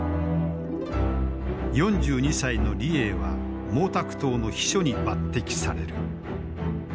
４２歳の李鋭は毛沢東の秘書に抜てきされる。